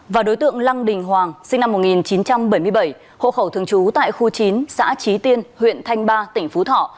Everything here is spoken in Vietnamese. và đối tượng lăng đình hoàng sinh năm một nghìn chín trăm bảy mươi bảy hộ khẩu thường trú tại khu chín xã trí tiên huyện thanh ba tỉnh phú thọ